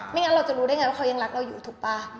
งั้นเราจะรู้ได้ไงว่าเขายังรักเราอยู่ถูกป่ะ